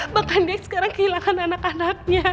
bahkan dia sekarang kehilangan anak anaknya